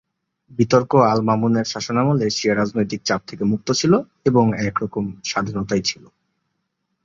বিতর্ক আল-মা'মুনের শাসনামলে শিয়া রাজনৈতিক চাপ থেকে মুক্ত ছিল এবং একরকম স্বাধীনতায় ছিল।